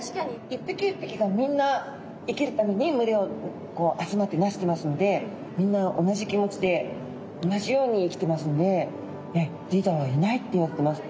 一匹一匹がみんな生きるために群れを集まってなしてますのでみんな同じ気持ちで同じように生きてますのでリーダーはいないっていわれてます。